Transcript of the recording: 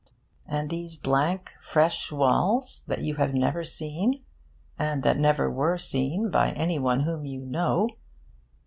And these blank, fresh walls, that you have never seen, and that never were seen by any one whom you know...